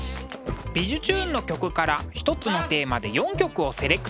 「びじゅチューン！」の曲から一つのテーマで４曲をセレクト。